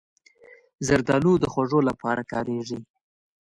زردالو د خوږو لپاره کارېږي.